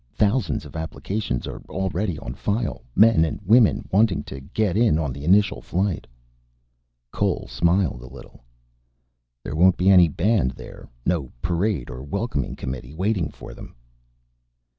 Thousands of applications are already on file, men and women wanting to get in on the initial flight." Cole smiled a little, "There won't be any band, there. No parade or welcoming committee waiting for them."